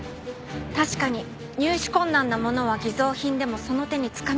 確かに入手困難なものは偽造品でもその手につかみたいのでしょう。